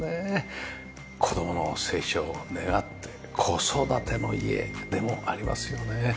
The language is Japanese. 子供の成長を願って子育ての家でもありますよね。